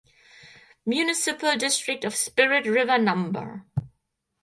Municipal District of Spirit River No.